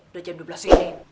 udah jam dua belas ini